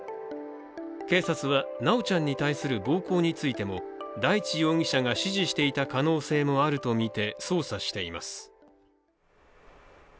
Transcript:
警察は修ちゃんに対する暴行についても大地容疑者が指示していた可能性もあると見て捜査しています。